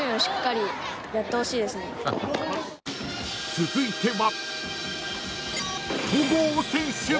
［続いては］